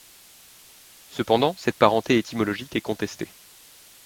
Cependant, cette parenté étymologique est contestée.